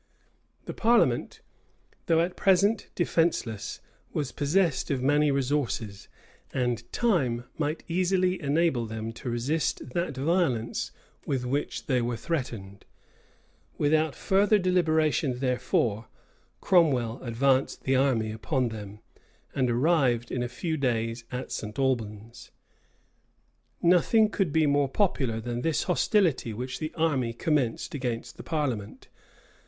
The parliament, though at present defenceless, was possessed of many resources; and time might easily enable them to resist that violence with which they were threatened. Without further deliberation, therefore, Cromwell advanced the army upon them, and arrived in a few days at St. Albans. Nothing could be more popular than this hostility which the army commenced against the parliament.